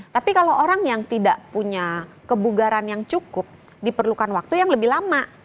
tapi kalau orang yang tidak punya kebugaran yang cukup diperlukan waktu yang lebih lama